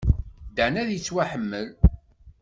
Dan ad yettwaḥemmel.